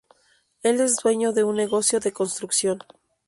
Él es dueño de un negocio de construcción.